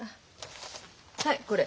はいこれ。